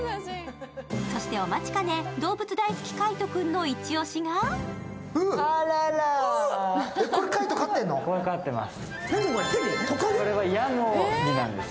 そしてお待ちかね、動物大好き・海音君のイチ押しがこれ飼ってます。